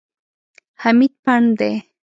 حمید پنډ دی.